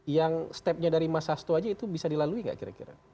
yang stepnya dari mas hasto aja itu bisa dilalui nggak kira kira